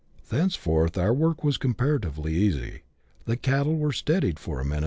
Thenceforth our work was comparatively easy. The cattle were " steadied " for a minute CHAP.